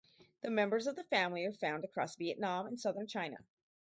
The members of the family are found across Vietnam and southern China.